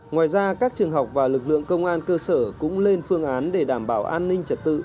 ngoài ra các trường học và lực lượng công an cơ sở cũng lên phương án để đảm bảo an ninh trật tự